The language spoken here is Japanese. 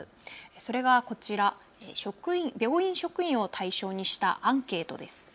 それがこちら、病院職員を対象にしたアンケートです。